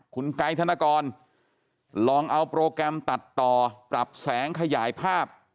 คุณไกด์ธนกรลองเอาโปรแกรมตัดต่อปรับแสงขยายภาพ